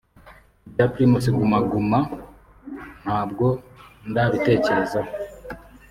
Ibya Primus Guma Guma ibyo ntabwo ndabitekerezaho